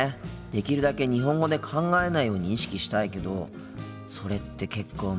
できるだけ日本語で考えないように意識したいけどそれって結構難しいよな。